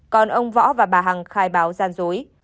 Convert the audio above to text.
còn ông võ và bà hằng khai báo gian dối